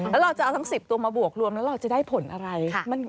แล้วเราจะเอาทั้ง๑๐ตัวมาบวกรวมแล้วเราจะได้ผลอะไร